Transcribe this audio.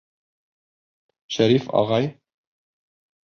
Шәриф ағай!